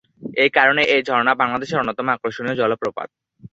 এই কারণে এই ঝর্ণা বাংলাদেশের অন্যতম আকর্ষণীয় জলপ্রপাত।